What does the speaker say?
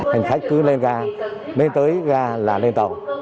hành khách cứ lên gà lên tới gà là lên tàu